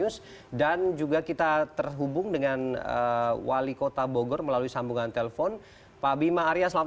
selamat malam pak bima